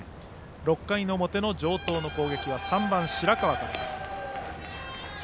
６回表の城東の攻撃は３番、白川からです。